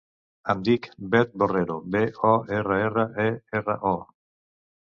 Em dic Beth Borrero: be, o, erra, erra, e, erra, o.